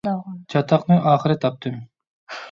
چاتاقنى ئاخىرى تاپتىم.